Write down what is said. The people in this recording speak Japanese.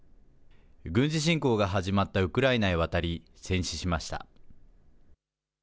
軍事侵攻が始まったウクライナへ渡り、戦死しました。